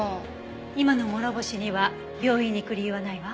今の諸星には病院に行く理由はないわ。